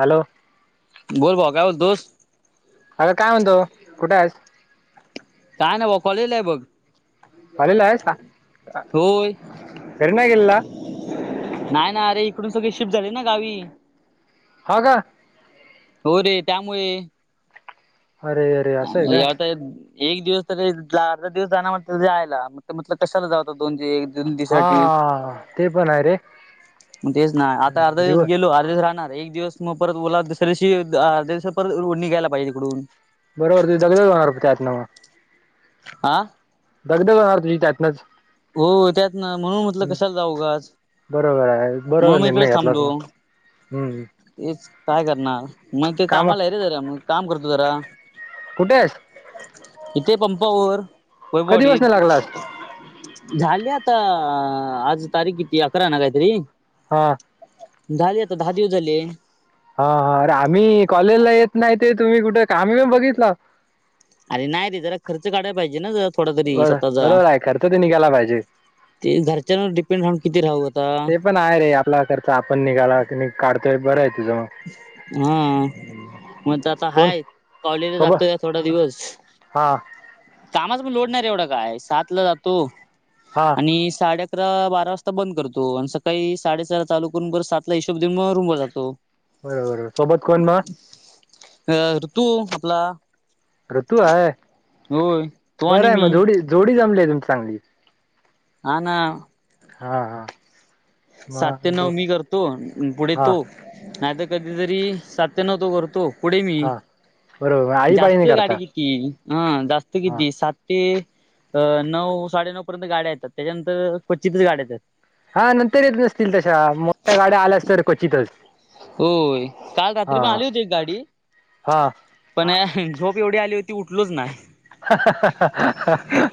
Hello बोल ब काय बोलतोस? अगं काय म्हणतोस कुठं आहे? काय नाही कॉलेजला आहे बघ कॉलेजला आहेस का होय घरी नाही गेलेला? नाही ना अरे इकडून सगळे शिफ्ट झाले ना गावी. हो का? हो रे त्यामुळे अरे अरे असं आहे का? आता एक दिवस तरी अर्धा दिवस जाणार म्हंटलं यायला म्हटलं कशाला जावत दोनजे हा ते पण आहे रे. मग तेच नाही आता अर्धा किलो दिवस गेलो अर्धा दिवस राहणार एक दिवस मग परत ओला दुसऱ दिवशी अध्या दिवशी परत निघायला पाहिजे तिकडून बरोबर तू दग होणार त्यात नाव आ दगदग हार तुझी त्यातनंच. हो त्यात ना म्हणून म्हटलं हम्म, कशाला जाऊ उगाच. बरोबर आहे बरोबर म्हणून मग निर्णय इकडेच घेतलाच म थांबलो हम्म. तेच काय करणार मग ते काम कामाला आहे रे जरा मग काम करतो जरा. कुठे आहेत इथे पंपावर कोय कधी बसन बॉडीत. लागलास झाली आता आज तारीख किती अकरा ना काहीतरी हा. झाले आता दहा दिवस झाले हा हा अरे आम्ही कॉलेजला येत नाही ते तुम्ही कुठे आम्ही पण बघितलं अरे नाही रे, जरा खर्च काढाला पाहिजे ना ज बर बरोबर आहे खर्च तर निघाला पाहिजे ते घरच्यांवर डिपेंड राहून किती राहू आता ते पण आहे रे आपला खर्च आपण निघाला क काढतोय बरं आहे तुझं मग. हा म्हणते आता कोण हाय कॉलेजला सोबत जातोय थोडा दिवस. हा. कामाच पण लोडणार एवढं काय सात ला जातो हा आणि साडे अकरा बारा वाजता बंद करतो आणि सकाळी साडेसहा चालू करून बर सातला हिशोब दिन म रूमवर जातो बरोबर सोबत कोण म अ ऋतू आपला ऋतू आहे, होय तो बर आणि आहे मी मग जोडी जोडी जमली आहे तुमची चांगली. हा ना हा, हा सात मग ते नऊ दो- मी करतो, पुढे हा तो. नाही तर कधीतरी, सात ते नऊ तो करतो. पुढे मी हा बरोबर आई पाळीने जास्त गाडी करता घी क, हं जास्त हा किती सात ते अ नऊ साडेनऊ पर्यंत गाड्या येतात, त्याच्यानंतर पच्चतीसच गाड्या येतात. हा नंतर येत नसतील तशा मोठ्या गाड्या आल्या अस तर क्वचितच होय, काल रात्री हा पण आली होती एक गाडी. हा पण झोप एवढी आली होती उठलोच नाही. हा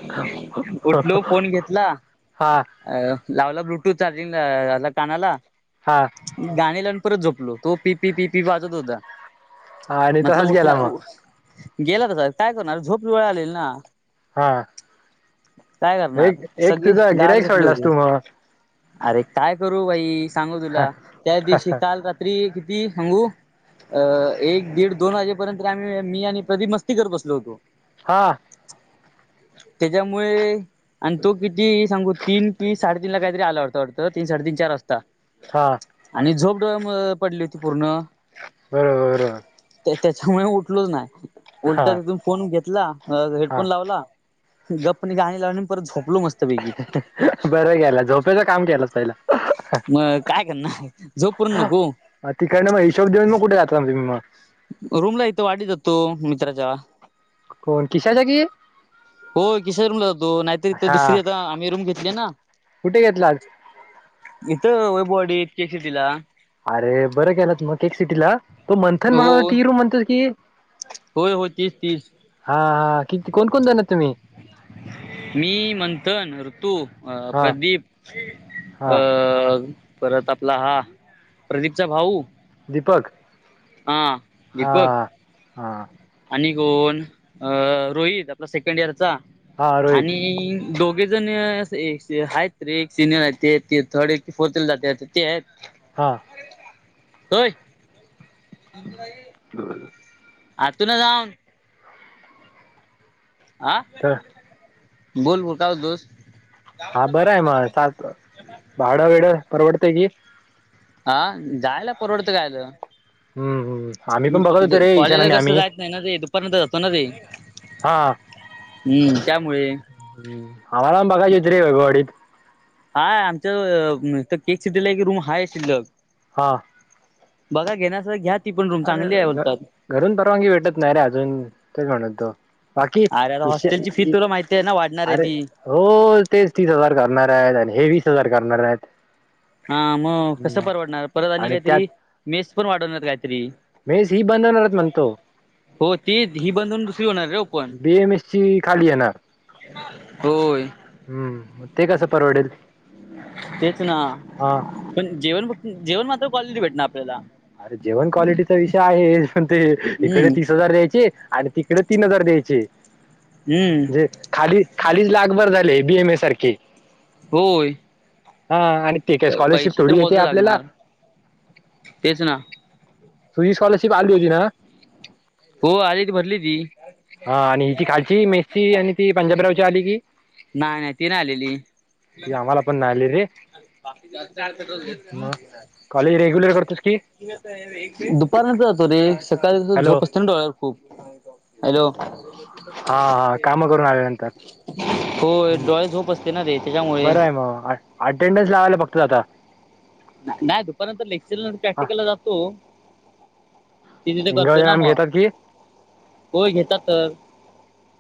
उठलो फोन घेतला हा अ लावला ब्लूटूथ चार्जिंग, झा कानाला. हा. गाणी लावून परत झोपलो, तो पी पी पी पी वाजत होता. आणि म्हटलं तसाच गेला मग उठणार गेला त काय करणार झोप जवळ आलेली ना हा काय करणार एक, एक सगळी तुझा गाढ गिराक झोपली सोडलास होती. तू मग अरे काय करू भाई सांगू तुला त्याच दिवशी काल रात्री किती सांगू अ एक दीड दोन वाजेपर्यंत आम्ही, मी आणि प्रदीप मस्ती कर बसलो होतो. हां त्याच्यामुळे, आणि तो किती सांगू तीन तीन, साडे तीन ला काहीतरी आला होता वाटतं तीन, साडेतीन, चार वाजता हा आणि झोपड पडली ती पूर्ण बर! ते त्याच्यामुळे उठलोच नाही, उलट हा तथून फोन घेतला हा हेडफोन लावला गप नाही गाणी लावणी परत झोपलो मस्त बरं केला झोपेचं काम केलंच पहिला मग काय करणार, झोप पुर्ण नको? तिका ना म हिशब देन मगुठे जातणार ना तम्हीग रूमला इथं वाढीत होतो, मित्राच्या. कोण, किशाच्या की? हो किशर रूमला जातो नाहीतरी हा दुसरी आता आम्ही रूम घेतली आहे ना कुठे घेतलात इथ वैबवाडी इ केश तला अरे बरं केलात मग केक सिटीला तो मंथन हो मला ती रूम म्हणत की होय होय, तीस तीस. हा हा, किती कोण कोण जाणत तुम्ही? मी मंथन, ऋतु! अ हा प्रदीप, अ हा परत आपला हा, प्रदीपचा भाऊ. दीपक. हा दीपक हां. आणि कोण रोहित आपला सेकंड इयरचा हा रोहित आणि दोघे जण अस आहेत एक सिनियर आहेत ते ते थर्ड फोर्थ जाते ते आहेत. [inaudible] हां. होय. [unintelligible] ह [unintelligible] आ तुन जाऊन हा, तर बोल बोल काय म्हणतोस? हा बरं आहे, म सात भाडं वेड परवडते की? हा जायला परवडतं कायला. हम्म, हम्म. आम्ही पण बघत होतो रे ईशान कॉलेजला आणि कसं आम्ही जायच नाही ना ते दुपारनंतर जातो ना रे. हा हम्म त्यामुळे. ह आम्हाला बघायची होती रे वैभवाडीत हाय आमच तर टेक सिटीला की रूम हाय शिल्लक. हां. बघा घेण्यार असला तर घ्या ती पण रूम अरे, चांगली आहे बोलतात घरून परवानगी भेटत नाही रे अजून ते म्हणततो. बाकी अरे आता विशय हॉस्टेलची फी अ तुला माहिती आहे ना वाढणार आहे आरे ती हो तेच तीस हजार करणार आहेत आणि हे वीस हजार करणार आहेत. हा मग कसं हम्म परवडणार परत आणि काहीतरी मेस पण वाढवणार आहेत काहीतरी. मेस ही बाध होणार हेत म्हणतो. हो तीच ही बंद हून, दुसरी होणार रे ओपन. बीएमएस ची खाली येणार. होय. हम्म ते कसं परवडेल? तेच ना. हा. पण जेवण, जेवण मात्र कॉलेजी भेटना आपल्याला. अरे जेवण क्वालिटीचा विषय आहे, ते इकडे हम्म तीस हजार द्यायचे. आणि तिकडे तीन हजार द्यायचे, हम्म जे खाली खालीच लाखभर झाले, बीए मए ए सारखे. होय. हा आणि ते काय, स्कॉलरशिप पैसे तर थोडी मोज येते आपल्याला? लागणार तेच ना. तुजी स्कॉलरशिप आली होती ना? हो आली ती भरली ती. हा आणि हिची खालची मेसची आणि ती पंजाबरावची आली की नाही नाही ती नाही आलेली. ती आम्हाला पण नाही आली रे मग कॉलेज रेग्युलर करतोस की [unintelligible] दुपारनंतर जातो रे, सकाळी हॅलो झोप असते ना डोळ्या हो, हॅलो! हा हा, काम करून आल्यानंतर. होय हम्म डोळ्याची झोप असते ना रे त्याच्यामुळे बरं आहे मग, आट अटेंडन्स लावायला फक्त जाता. नाही दुपारनंतर, लेक्चर प्रॅक्टिकलला जातो. ते तिथे इंगज करतो ना नाम मग घेतात की [unintelligible] होय घेतात तर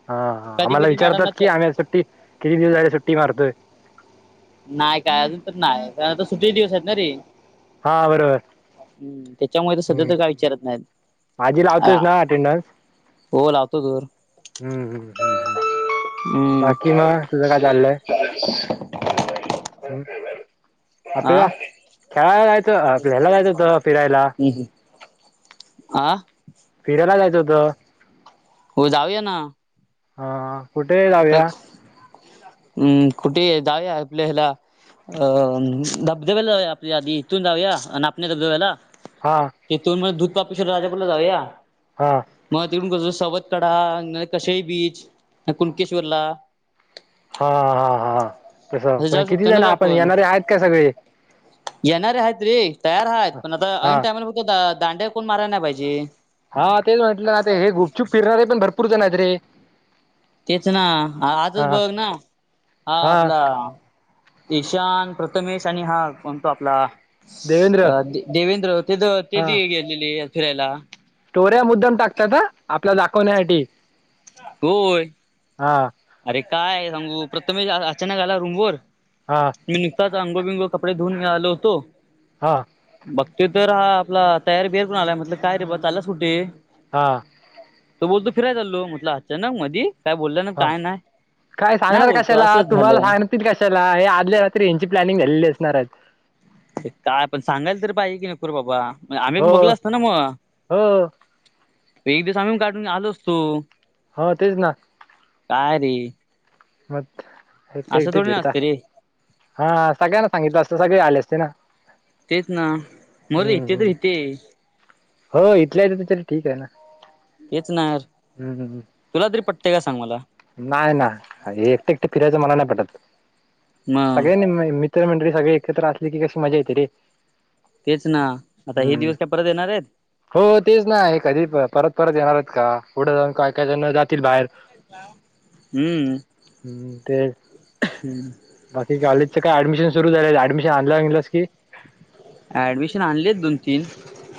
हा हा कधी आम्हाला कधी मॅडमना विचारतात की आम्ही असं सु्टी किती दिवस झाले सु्टी मारतोय. नाही काय अजून तर नाही कारण आता सुटे दिवस आहेत ना रे. हा बरोबर हम्म त्याच्यामुळे तर सध्या तर काय विचारत नाहीत. आजी लावतोयस ना अटेंडन्स? हो लावतो जोर हम्म हम्म हम्म हम्म बाकी म तुझं काय चाललंय? ब [unintelligible] [unintelligible] आ आपल्या खेळायला जायचं आपलं ह्याला जायचं होत फिरायला. आ फिरायला जायचं होतं. हो जाऊया ना. हा कुठे जाऊया? हम्म कुठे जाऊ या आपल्या हेला. अ धबधब्याला आपल्या आदी इथून जाऊया नापण्या धबधब्याला. हा. तेथून म दुधकापसर राजापूरला जाऊ या. हां मग तिकडून कसं सवत कडा आन कशई बीच, कुणकेश्वरला हा हा हा तसं असं पण जाऊ किती शकतो ना जाण रे आपण येणारे आहेत का सगळे? येणारे आहेत रे तयार आहेत पण आता हा ऐन टायमला बघतो दांडे कोण माराय नाही पाहिजे. हा तेच म्हंटलं ना ते हे गुपचुप फिरणारे पण भरपूर जण आहेत रे. तेच ना आजच हा बघ ना हा आपला ईशान, प्रथमेश आणि हा कोणतो आपला देवेंद्र अ दे देवेंद्र ते द ते हा ती गेलेली फिरायला. स्टोऱ्या मुद्दाम टाकतात ह आपल्या दाखवण्यासाठी. होय हा अरे काय सांगू प्रथमेष आ अचानक आला रूमवर हां. मी नुकताच अंगोबिंगो कपडे धुऊन आलो होतो. हां बघते तर हा आपला तयारी बिअर करून आलाय म्हटलं काय रे ब चालला कुटे? हां. तो बोलतो फिरायला चालो म्हटलं अचानक मधी. काय बोललं ना हा काय नाय नाय बोलतो असंच झालं. तीत कशाला हे आदल्या रात्री यांची प्लॅनिंग झाल्ली असणार आहे. ते काय पण सांगायल तर पाहिजे की नको रे बाबा आम्ही पण हो बघला असतो ना म. हो एक दिवस आम्ही काढून आलो असतो. हो तेच ना. काय रे मत ऐकटे असं इथे थोडी ना फिरता. असतं रे हा सगळ्यांना सांगितल असतं सगळे आले असते ना. तेच ना मरू हम्म, इथे हम्म. तर इथे. हो इथल्यायेत तर चल ठीक आहे ना. तेच नार हम्म, हम्म. तुला तरी पटतेंय का सांग मला? नाही ना एकटे एकटे फिरायचं मला नाही पटत मग सगळ्यांनी मी मी तर मंडळी सगळे एकत्र असले की कशी मजा येते रे. तेच ना आता हे हम्म. दिवस काय परत येणार आहेत? हो तेच नाही आहे कधी परत परत येणार आहेत का पुढे जाऊन का काय जण जातील बाहेर. हम्म. हम्म ते बाकी कॉलेजचे काय ऍडमिशन सुरू झालेले ऍडमिशन आणलं विणलस की ॲडमिशन आणली आहेत दोन तीन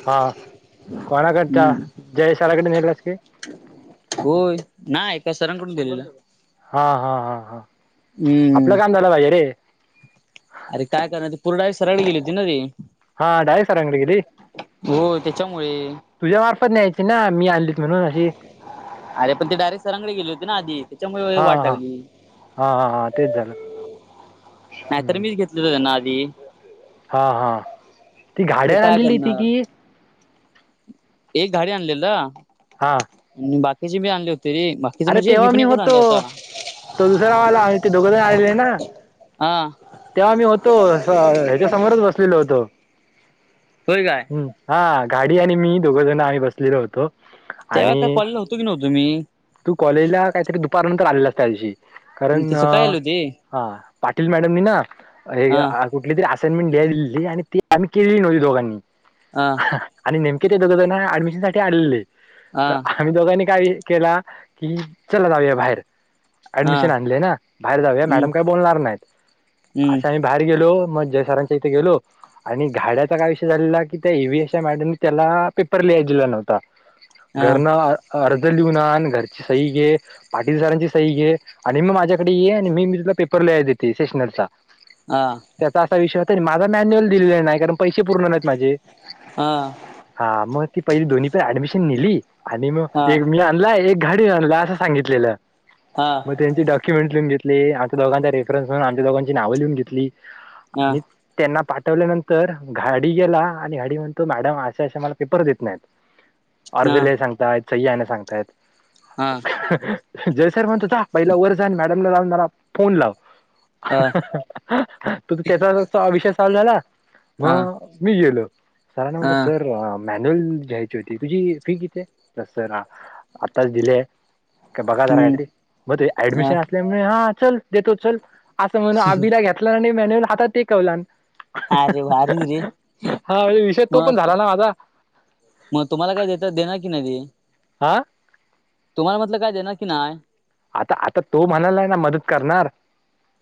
हा कोणाकडचा, हम्म जयशलाकडे नेलस की? होय नाय काय सरांकडून देलेला. हा हा हा हा, हम्म आपलं काम झालं पाहिजे रे. अरे काय करणार ती पुरडा आहे सरळी गेली होती ना ती. हा डाळे सरांकडे गेली, हो त्याच्यामुळे तुझ्या मार्फत न्यायची ना मी आणली अरे पण ते डायरेक्ट सरांंकडे गेले होते ना, आधी त्याच्यामुळे हा वाट हा लागली. हा हा हा, तेच झालं. नाही तर हम्म. मीच घेतलत त्यांना आधी. हा हा ती आता घाड्या काय आणलेली ती करणार की एक गाडी आणलेला हा आणि बाकीची मी आणली होती रे बा. अरे तेव्हा मी होतो, तो दुसरा वाला आणि ते दोघंजण आलेले ना. हा तेव्हा आम्ही होतो स ह्याच्या समोरच बसलेलो होतो. होय काय? हम् हा गाडी आणि मी दोघ जण आम्ही बसलेलो होतो. तेव्हा काय आणि कॉलला होतो की न्हवतं मी? तू कॉलेजला काहीतरी दुपारनंतर आलेलाच त्या दिवशी. कारण ते आ सकाळी आले होते हा पाटील मॅडमनी ना हे हा या आ कुठली तरी असाइनमेंट द दिली आणि ती आम्ही केली नव्हती दोघांनी. हा आणि नेमके ते दोघ जना ऍडमिशन साठी आलेले, तर हा आम्ही दोघांनी काय केला? की, चला जाऊया बाहेर. ऍडमिशन आणले ना, बाहेर जाऊया मॅडम काही बोलणार नाहीत, असा बाहेर गेलो, मग जयसरांच्या इथे गेलो. आणि घाड्याचा काय विषय झालेला, की त्या एव्हीएश मॅडमने त्याला पेपर लिहाय दिला नव्हता. घरन अर्ज लिहून आण, घरची सई घे. पाटील सरांची सई घे आणि मी माझ्याकडे ये आणि मी मी तुला पेपर लिहाय देते सेशनरचा. हा. त्याचा असा विषय होता, माझा मॅन्युअल दिलेला नाही कारण पैसे पूर्ण नाहीत माझे. हा हा मग ती पहिली दोन्ही प, ऍडमिशन नेली आणि मग एक मी आणला एक घाडी झालेला, असं सांगितलेलं. हां. मग त्यांचे डॉक्युमेंट लिहून घेतले, आमच्या दोघांचा रेफरन्स म्हून आच्या दोघांची नावं लिहून घेतली, आणि त्यांना पाठवल्यानंतर घाडी गेला, आणि घाडी म्हणतो मॅडम अशे असे मला पेपर देत नाहीत. अर्ज लय सांगताय, सही सांगतायत जयसर म्हणत होता, पहिला वर जा अन् मॅडमला लावून मला फोन लाव. तू त्याचा विषय चालू झाला, मग. मी गेलो, सरांने म्हणलो सर मॅन्युअल घ्यायची होती तुझी फी किती आहे तसं रा आताच दिलेय काय बघा जरा काहीतरी, मग त ऍडमिशन असल्यामुळे हा चल देतो चल. असं म्हणून आबिला घेतला आणि मॅन्युल हातात टेकवला. अरे भारी रे हा म्हणजे विषय तो पण मग झाला ना माझा. मग तुम्हाला काय देेत, देणार की नाही हे? हा. तुम्हाला म्हटलं, काय देणार की नाही? आता आता, तो म्हणाला आहे ना मदत करणार.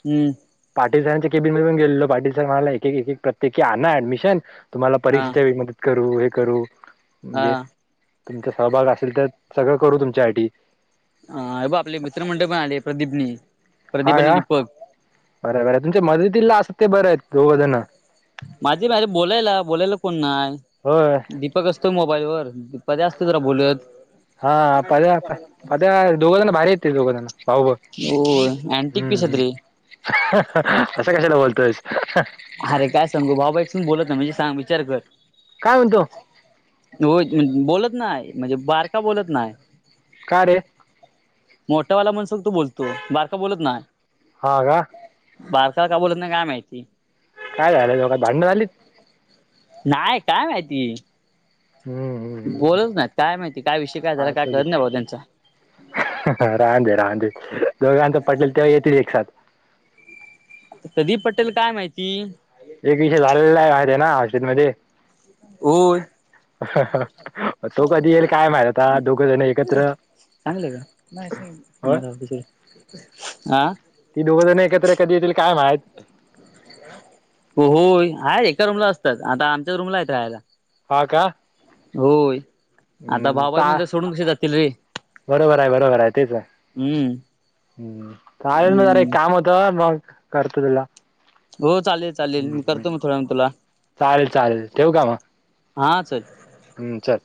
हम्म. पाटील सरांच्या केबिनमधून गेलेलो, पाटील सर मणाला एक एक प्रत्येकी आण ऍडमिशन. तुम्हाला हा परीक्षेच्या वेळेस मदत करू, हे करू. हा म्हणजे तुमचा सहभाग असेल तर सगळं करू तुमच्यासाठी. हा हे बघ आपले मित्रमंडळ पण आले प्रदीपनी. हा प्रदीप आणि या दीपक बर बरं आहे, तुमच्या मदतीला असत ते बरं आहेत दोघ जण. माझी बोलायला, बोलायला कोण होय नाही. फकस्त मोबाईल वर, पध्या असत जरा बोलत हा पद्या, पद्या दोघंजण भारी येते दोघंजण भाऊ भाऊ. होय, आंटिक पिसत हम्म रे. असं कशाला बोलतोयस? अरे काय सांगू भाऊ भाऊ एक असून बोलत नाही. म्हणजे सांग विचार कर. काय म्हणतो? हो बोलत नाही म्हणजे बारका बोलत नाही. का रे? मोठावाला मनसोक्त बोलतो, बारका बोलत नाही. हा का? बारका का बोलत नाही काय माहिती. काय झालं, दोघात भांडण झालीत. नाय काय माहिती. हम्म हम्म हम्म बोलतच नाहीत. काय माहिती काय विषय काय झाला काय कळत नाही बाबा त्यांच. राह दे राह दे दोघांचं पटेल तेव्हा येतील एक साथ. कधी पटेल काय माहिती. एक विषय झालेला आहे ना [unintelligible] होय. तो कधी येईल काय मा चांगलंय आहे का? नाही सेम. हो मग राहू दे सोड. आ. ती दोघ जण एकत्र कधी येतील काय माहित. हो होय. हा एका रूमला असतात, आता आमच्या रूमला हायय रहायला. हा का? होय आता हम्म भाऊबाज चा मधलं सोडून कसे जातील रे. बरोबर आहे बरोबर आहे तेच आहे. हम्म हं काय नाही जरा एक हम्म काम होत करा मग करतो तुला. हो चालेल चालेल. हम्म मी करतो हम्म. मग थोड्या वेळानं तुला. चालेल चालेल ठेवू का मग? हां चल हम्म चल.